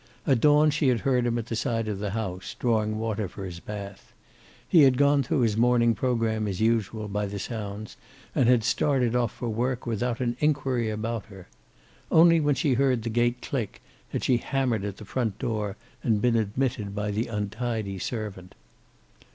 At dawn she had heard him at the side of the house, drawing water for his bath. He had gone through his morning program as usual, by the sounds, and had started off for work without an inquiry about her. Only when she heard the gate click had she hammered at the front door and been admitted by the untidy servant.